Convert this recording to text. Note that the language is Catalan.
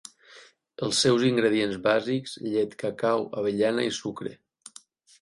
Els seus ingredients bàsics llet, cacau, avellana i sucre.